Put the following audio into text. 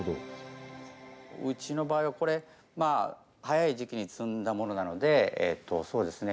うちの場合は、これ早い時期に摘んだものなのでそうですね